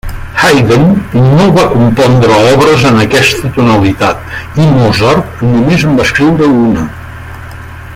Haydn no va compondre obres en aquesta tonalitat i Mozart només en va escriure una.